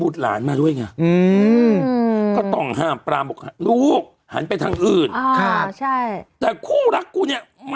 ทำกันจนเสร็จกิจ